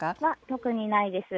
特にないです。